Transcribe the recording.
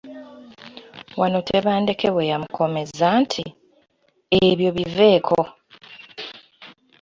Wano Tebandeke we yamukomeza nti, “Ebyo biveeko.